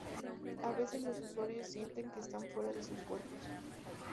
A veces los usuarios sienten que están fuera de sus cuerpos.